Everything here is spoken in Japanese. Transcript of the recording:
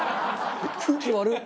空気悪っ！